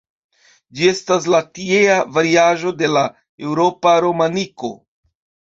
Ĝi estas la tiea variaĵo de la eŭropa romaniko.